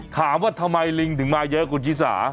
ถามว่าทำไมลิงจึงมาเยอะกว่ามีชีติจารย์